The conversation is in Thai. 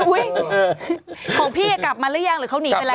ของพี่กลับมาหรือยังหรือเขาหนีไปแล้ว